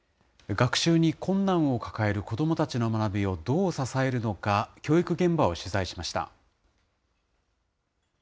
学習に困難を抱える子どもたちの学びをどう支えるのか、教育現場を取材しました。